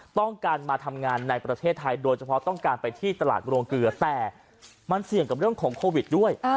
ต้องการมาทำงานในประเทศไทยโดยเฉพาะต้องการไปที่ตลาดโรงเกลือแต่มันเสี่ยงกับเรื่องของโควิดด้วย